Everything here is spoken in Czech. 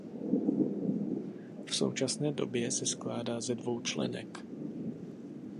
V současné době se skládá ze dvou členek.